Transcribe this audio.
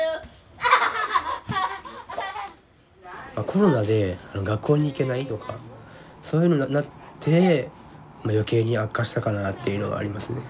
コロナで学校に行けないとかそういうのになって余計に悪化したかなっていうのがありますね。